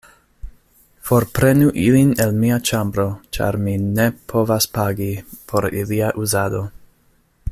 Forprenu ilin el mia ĉambro, ĉar mi ne povas pagi por ilia uzado.